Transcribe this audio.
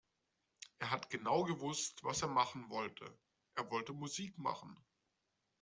Er hat genau gewusst, was er machen wollte. Er wollte Musik machen.